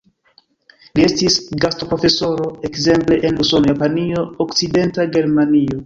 Li estis gastoprofesoro ekzemple en Usono, Japanio, Okcidenta Germanio.